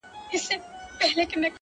گراني بس څو ورځي لاصبر وكړه،